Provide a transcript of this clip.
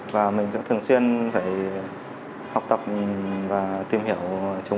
và mình sẽ thường xuyên phải học tập và tìm hiểu chúng